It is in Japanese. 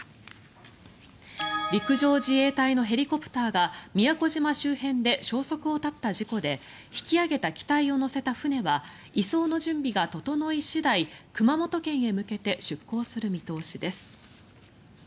陸上自衛隊のヘリコプターが宮古島周辺で消息を絶った事故で引き揚げた機体を載せた船は移送の準備が整い次第熊本県へ向けて出航する見通しです。